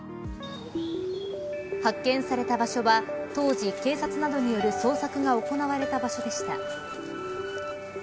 発見された場所は当時警察などによる捜索が行われた場所でした。